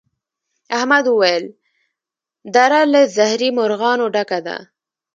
احمد وويل: دره له زهري مرغانو ډکه ده.